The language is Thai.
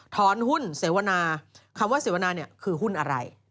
ถอนหุ้นเสวนาคำว่าเสวนาเนี่ยคือหุ้นอะไร